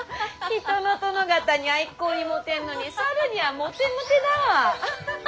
人の殿方には一向にモテんのに猿にはモテモテだわ。